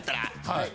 はい。